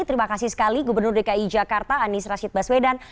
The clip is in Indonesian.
terima kasih sekali gubernur dki jakarta anies rashid baswedan